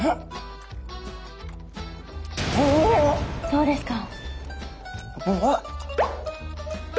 どうですか？